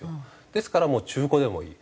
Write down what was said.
ですからもう中古でもいい。